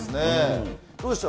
どうでした？